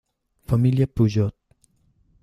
Familia Peugeot